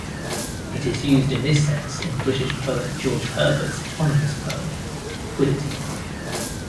It is used in this sense in British poet George Herbert's eponymous poem, "Quiddity".